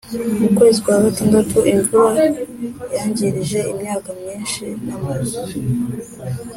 Mukwezi kwa gatandatu imvura yangirije imyaka myinshi n’amazu